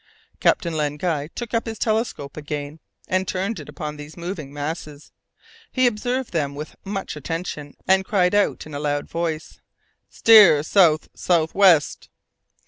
Captain Len Guy took up his telescope again, and turned it upon these moving masses; he observed them with much attention, and cried out in a loud voice, "Steer south sou' west!"